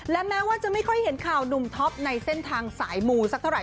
และแม้ว่าจะไม่ค่อยเห็นข่าวหนุ่มท็อปในเส้นทางสายมูสักเท่าไห